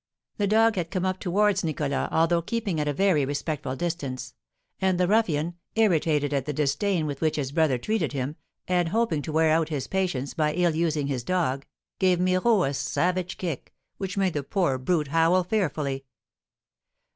The dog had come up towards Nicholas, although keeping at a very respectful distance; and the ruffian, irritated at the disdain with which his brother treated him, and hoping to wear out his patience by ill using his dog, gave Miraut a savage kick, which made the poor brute howl fearfully.